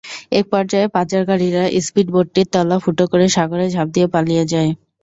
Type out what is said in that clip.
একপর্যায়ে পাচারকারীরা স্পিডবোটটির তলা ফুটো করে সাগরে ঝাঁপ দিয়ে পালিয়ে যায়।